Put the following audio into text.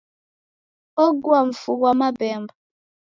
Ogua mfu ghwa mabemba.